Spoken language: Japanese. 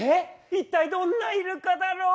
一体どんなイルカだろう？